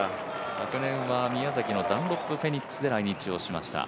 昨年は宮崎のダンロップフェニックスで来日をしました。